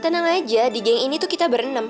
tenang aja di geng ini tuh kita berenem